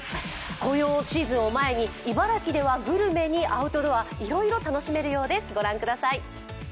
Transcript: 紅葉シーズンを前に茨城ではグルメにアウトドア、いろいろ楽しめるようです。